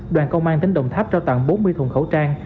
đoàn công an tỉnh đồng tháp trao tặng bốn mươi thùng khẩu trang